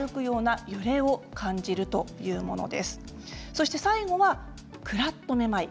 そして最後はクラッとめまい。